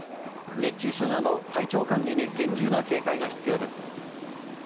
熱中症など体調管理に厳重な警戒が必要です。